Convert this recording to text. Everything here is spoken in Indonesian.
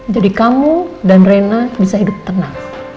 jadi kamu dan rena bisa hidup tenang